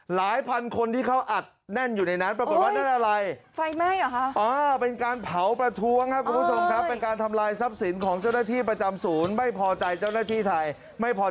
หลายพันคนที่เค้าอัดแน่นอยู่ในนั้นประบบต้อนรับในอะไร